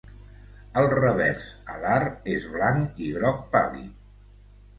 El revers alar és blanc i groc pàl·lid.